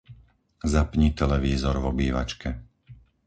Zapni televízor v obývačke.